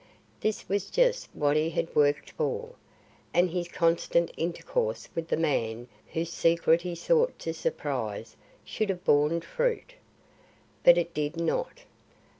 This was just what he had worked for, and his constant intercourse with the man whose secret he sought to surprise should have borne fruit. But it did not.